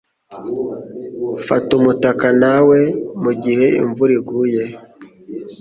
Fata umutaka nawe mugihe imvura iguye.